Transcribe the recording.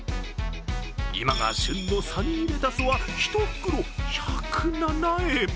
今が旬のサニーレタスは１袋、１０７円